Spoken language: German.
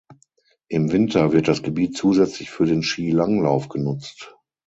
Im Winter wird das Gebiet zusätzlich für den Skilanglauf genutzt.